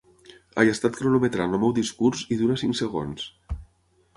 He estat cronometrant el meu discurs, i dura cinc segons.